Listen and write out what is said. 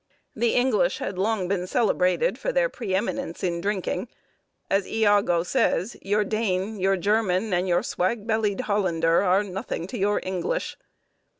The English had long been celebrated for their pre eminence in drinking; as Iago says, "your Dane, your German, and your swag bellied Hollander, are nothing to your English."